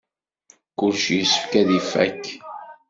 Kullec yessefk ad ifak.